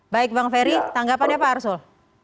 baik bang ferry tanggapannya pak arsul